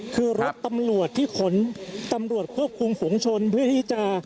คือรถตำรวจที่ขนตำรวจควบคุมฝุงชนเพื่อที่จะ